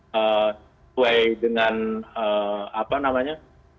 sesuai dengan apa namanya